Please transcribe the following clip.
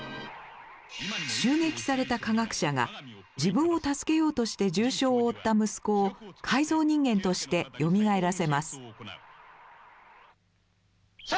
襲撃された科学者が自分を助けようとして重傷を負った息子を改造人間としてよみがえらせます。